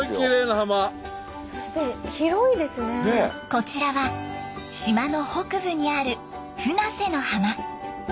こちらは島の北部にある船瀬の浜。